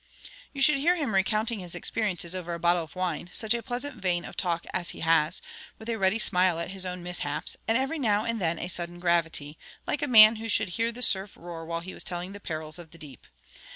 You should hear him recounting his experiences over a bottle of wine; such a pleasant vein of talk as he has, with a ready smile at his own mishaps, and every now and then a sudden gravity, like a man who should hear the surf roar while he was telling the perils of the deep.